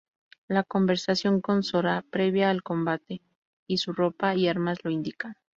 La conversación con Sora previa al combat y su ropa y armas lo indican.